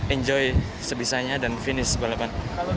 enjoy sebisanya dan finish balapan